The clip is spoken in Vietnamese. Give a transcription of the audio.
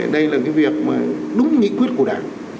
đây là cái việc mà đúng nghị quyết của đảng